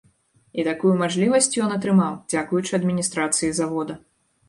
І такую мажлівасць ён атрымаў, дзякуючы адміністрацыі завода.